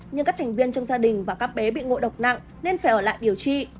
nhưng các thành viên trong gia đình và các bé bị ngộ độc nặng nên phải ở lại điều trị